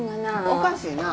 おかしいな。